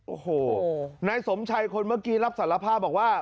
โอ้โหนายสมชัยคนเมื่อกี้รับสารภาพบอกว่า